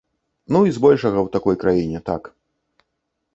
Ну і збольшага ў такой краіне, так.